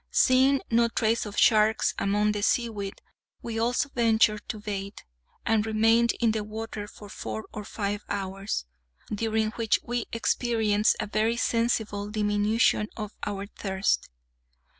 Seeing no trace of sharks among the seaweed, we also ventured to bathe, and remained in the water for four or five hours, during which we experienced a very sensible diminution of our thirst.